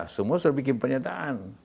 semua sudah bikin pernyataan